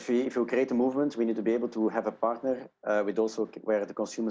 jelas jika kita membuat pergerakan kita harus dapat memiliki partner yang bisa membuat para konsumen